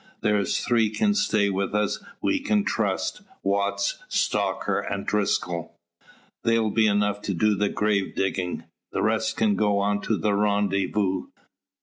There's three can stay with us we can trust Watts, Stocker, and Driscoll. They'll be enough to do the grave digging. The rest can go on to the rendezvous.